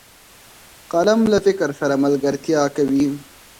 قلم له فکر سره ملګرتیا کوي